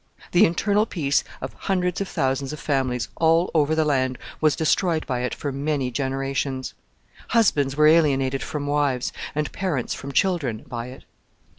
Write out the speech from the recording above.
The internal peace of hundreds of thousands of families all over the land was destroyed by it for many generations. Husbands were alienated from wives, and parents from children by it.